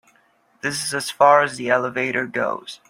This is as far as the elevator goes.